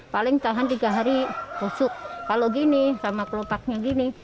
paling tahan tiga hari tusuk kalau gini sama kelopaknya gini